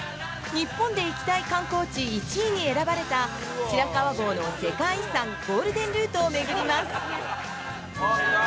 日本で行きたい観光地１位に選ばれた白川郷の世界遺産ゴールデンルートを巡ります。